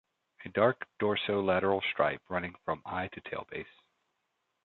A dark dorso-lateral stripe running from eye to tail base.